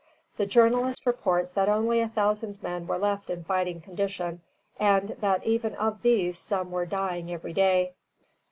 The journalist reports that only a thousand men were left in fighting condition, and that even of these some were dying every day.